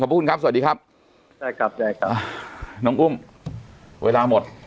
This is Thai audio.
ขอบคุณครับสวัสดีครับใช่ครับได้ครับน้องอุ้มเวลาหมด